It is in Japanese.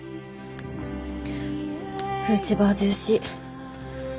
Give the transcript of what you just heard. フーチバージューシー。